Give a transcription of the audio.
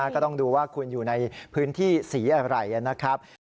ก็ต้องดูว่าคุณอยู่ในพื้นที่สีอะไรนะครับ